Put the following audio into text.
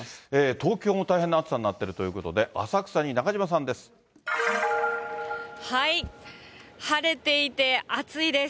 東京も大変な暑さになってるということで、浅草に中島さんで晴れていて、暑いです。